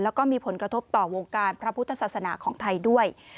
แล้วก็มีผลกระทบต่อวงการพระพุทธศาสนาของไทยด้วย